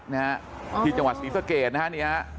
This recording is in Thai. ฮึงนะฮะที่จังหวัดอินเตอร์เกจนะฮะ